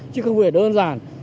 chứ không phải đơn giản